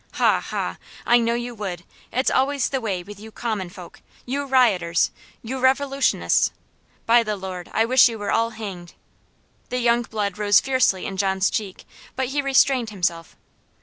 Ha! ha! I know you would. It's always the way with you common folk, you rioters, you revolutionists. By the Lord! I wish you were all hanged." The young blood rose fiercely in John's cheek, but he restrained himself.